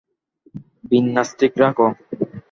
বিন্যাস ঠিক রাখ!